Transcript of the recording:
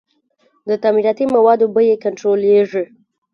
د تعمیراتي موادو بیې کنټرولیږي؟